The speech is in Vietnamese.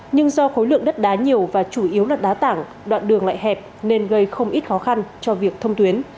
nhưng do khối lượng đất đá nhiều và chủ yếu là đá tảng đoạn đường lại hẹp nên gây không ít khó khăn cho việc thông tuyến